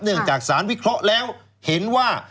จากสารวิเคราะห์แล้วเห็นว่า